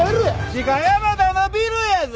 鹿山田のビルやぞ！